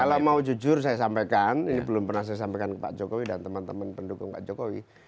kalau mau jujur saya sampaikan ini belum pernah saya sampaikan ke pak jokowi dan teman teman pendukung pak jokowi